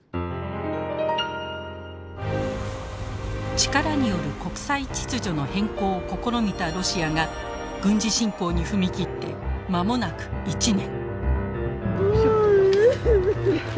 力による国際秩序の変更を試みたロシアが軍事侵攻に踏み切って間もなく１年。